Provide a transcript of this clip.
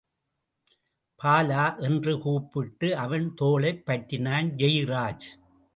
பாலா! என்று கூப்பிட்டு அவன் தோளைப் பற்றினான் ஜெயராஜ்.